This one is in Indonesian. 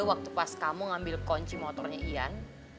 waktu pas kamu ngambil kunci motornya ian